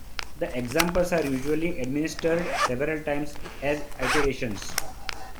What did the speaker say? The examples are usually administered several times as iterations.